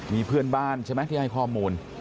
มีเพื่อนบ้านใช่ไหมที่ให้ข้อมูล